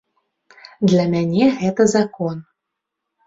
Для мяне гэта закон.